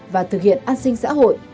và thực hiện an sinh xã hội